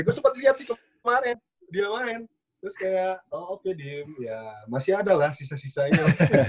ya gue sempet liat sih kemarin dia kemarin terus kayak oh oke dim ya masih ada lah sisa sisanya